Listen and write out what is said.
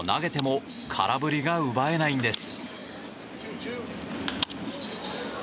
投げても投げても空振りが奪えないんです。